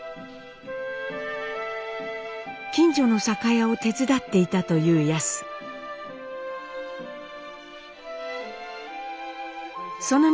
近所の酒屋を手伝っていたというヤス。